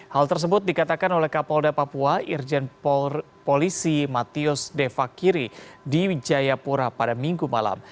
hal tersebut dikatakan oleh kapolda papua irjen polisi matius de fakiri di jayapura pada minggu malam